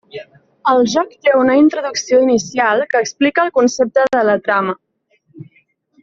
El joc té una introducció inicial que explica el concepte de la trama.